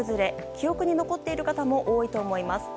記憶に残っている方も多いと思います。